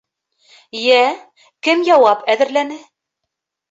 Йә, кем яуап әҙерләне?